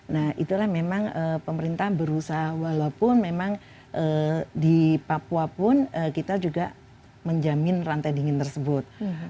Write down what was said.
nah itulah memang pemerintah berusaha walaupun memang di papua pun kita juga menjamin rantai dingin tersebut